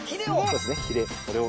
そうですねひれ。